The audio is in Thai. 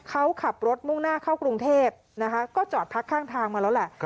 เขาขับรถมุ่งหน้าเข้ากรุงเทพนะคะก็จอดพักข้างทางมาแล้วแหละ